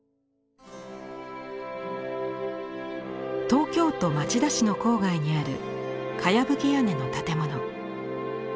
東京都町田市の郊外にあるかやぶき屋根の建物。